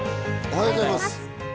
おはようございます。